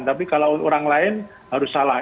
tapi kalau orang lain harus salah